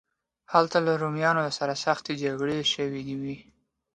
هلته له رومیانو سره سختې جګړې شوې وې.